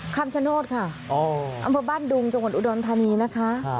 คำชโนธค่ะอำเภอบ้านดุงจังหวัดอุดรธานีนะคะ